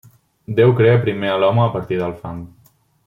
Déu crea primer a l'home a partir del fang.